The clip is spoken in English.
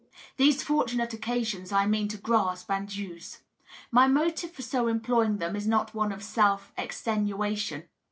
These fortunate occasions I mean to grasp and use. My motive for so employing them is not one of self extenuation.